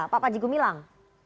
pak panji gumilang